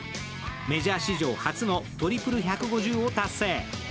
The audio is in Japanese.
メジャー史上初のトリプル１５０を達成。